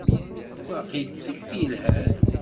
Waqil d tikti yelhan.